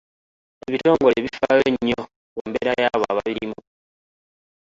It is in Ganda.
Ebitongole bifaayo nnyo ku mbeera y'abo ababirimu.